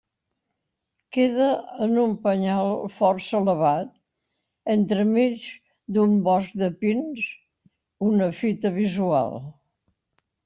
Queda en un penyal força elevat entremig d'un bosc de pins, una fita visual.